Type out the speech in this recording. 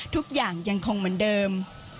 ทุกอย่างยังคงเหมือนเดิม